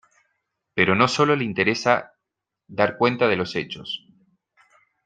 Pero no sólo le interesa dar cuenta de los hechos.